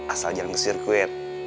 asal jangan ke sirkuit